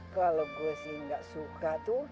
kalau gue sih gak suka tuh